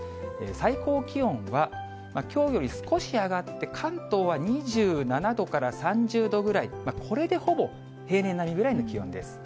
最高気温は、きょうより少し上がって、関東は２７度から３０度ぐらい、これでほぼ平年並みぐらいの気温です。